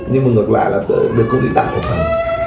nhưng mà ngược lại là tôi được công ty tặng một phần